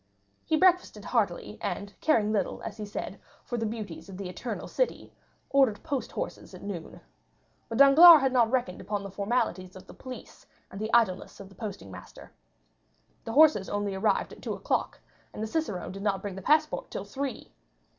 He breakfasted heartily, and caring little, as he said, for the beauties of the Eternal City, ordered post horses at noon. But Danglars had not reckoned upon the formalities of the police and the idleness of the posting master. The horses only arrived at two o'clock, and the cicerone did not bring the passport till three.